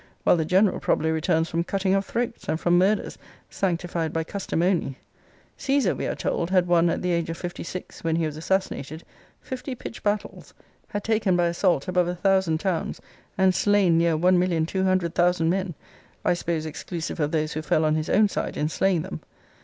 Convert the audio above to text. while the general probably returns from cutting of throats, and from murders, sanctified by custom only. Caesar, we are told,* had won, at the age of fifty six, when he was assassinated, fifty pitched battles, had taken by assault above a thousand towns, and slain near 1,200,000 men; I suppose exclusive of those who fell on his own side in slaying them.